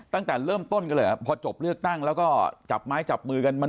ตั้งแต่เริ่มต้นกันเลยพอจบเลือกตั้งแล้วก็จับไม้จับมือกันมัน